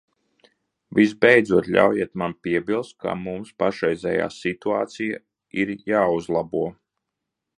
Visbeidzot, ļaujiet man piebilst, ka mums pašreizējā situācija ir jāuzlabo.